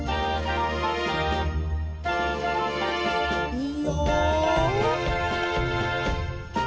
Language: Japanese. いいよ。